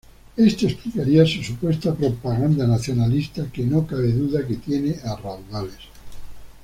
Esto explicaría su supuesta propaganda nacionalista, que no cabe duda que tiene a raudales.